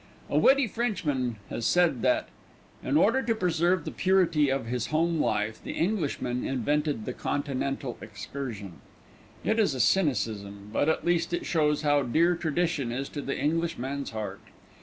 A witty Frenchman has said that, "In order to preserve the purity of his home life, the Englishman invented the Continental excursion." It is a cynicism; but at least it shows how dear tradition is to the Englishman's heart.